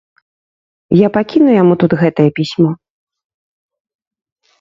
Я пакіну яму тут гэтае пісьмо.